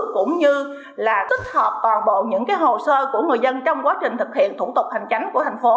cũng như là tích hợp toàn bộ những hồ sơ của người dân trong quá trình thực hiện thủ tục hành chính của thành phố